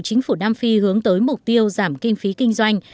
chính phủ nam phi hướng tới mục tiêu giảm kinh phí kinh doanh